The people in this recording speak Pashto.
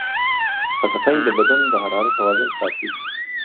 خټکی د بدن د حرارت توازن ساتي.